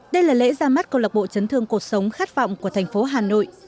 đây là lễ ra mắt câu lạc bộ chấn thương cuộc sống khát vọng của thành phố hà nội